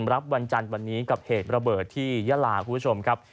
วันจันทร์วันนี้กับเหตุระเบิดที่ยาลาคุณผู้ชมครับ